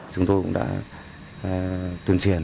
chúng tôi cũng đã